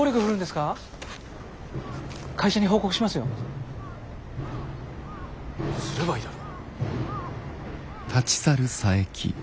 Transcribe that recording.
すればいいだろ。